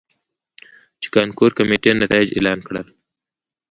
،چې کانکور کميټې نتايج اعلان کړل.